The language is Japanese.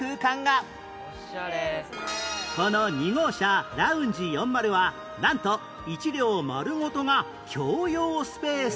この２号車ラウンジ４０はなんと１両丸ごとが共用スペース